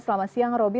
selamat siang roby